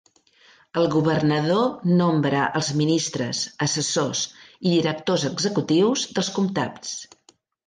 El governador nombra els ministres, assessors i directors executius dels comtats.